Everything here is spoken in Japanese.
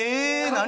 何？